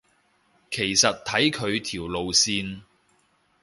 其實睇佢條路線